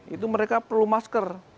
itu mereka perlu masker